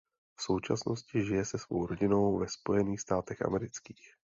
V současnosti žije se svou rodinou ve Spojených státech amerických.